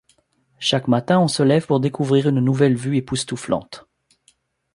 Chaque matin, on se lève pour découvrir une nouvelle vue époustouflante.